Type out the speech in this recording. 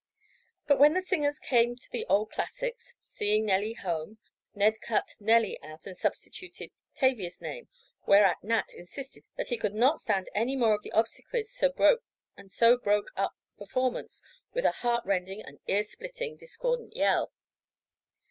But when the singers came to the old classics, "Seeing Nellie Home" Ned cut "Nellie" out and substituted Tavia's name whereat Nat insisted that he could not stand any more of the "obsequies," and so broke up the performance with a heart rending and ear splitting discordant yell.